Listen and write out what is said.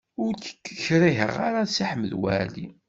Ur k-kriheɣ ara a Si Ḥmed Waɛli.